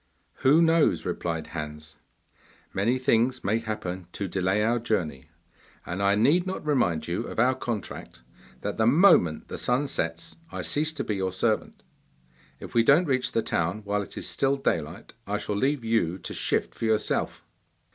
'Who knows?' replied Hans. 'Many things may happen to delay our journey, and I need not remind you of our contract that the moment the sun sets I cease to be your servant. If we don't reach the town while it is still daylight I shall leave you to shift for yourself.